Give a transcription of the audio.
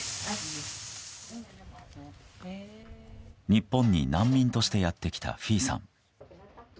日本に難民としてやってきたフィーさん。